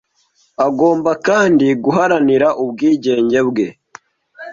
Agomba kandi guharanira ubwigenge bwe